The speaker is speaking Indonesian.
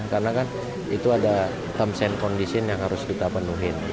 karena kan itu ada terms and condition yang harus kita penuhin